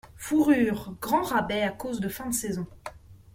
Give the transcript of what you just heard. Fourrures, grand rabais à cause de fin de saison.